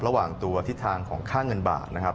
ระหว่างตัวทิศทางของค่าเงินบาทนะครับ